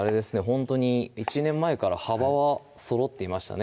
ほんとに１年前から幅はそろっていましたね